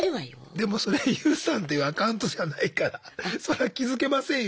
でもそれＹＯＵさんっていうアカウントじゃないからそりゃ気付けませんよ。